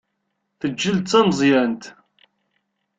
Teǧǧel d tameẓyant.